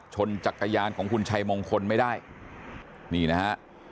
จักรยานของคุณชัยมงคลไม่ได้นี่นะฮะ